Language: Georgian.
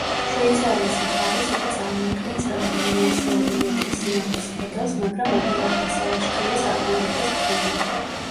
შვეიცარიის მხარეს, იგი წარმოადგენს რამდენიმე ასეული მეტრის სიმაღლის კედელს, მაგრამ ადვილად დასალაშქრია საფრანგეთის მხრიდან.